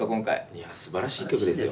いや、すばらしい曲ですよ。